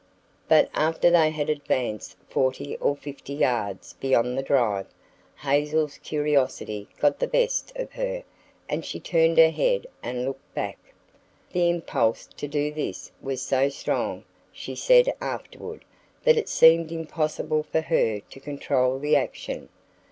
But after they had advanced forty or fifty yards beyond the drive, Hazel's curiosity got the best of her and she turned her head and looked back. The impulse to do this was so strong, she said afterward, that it seemed impossible for her to control the action.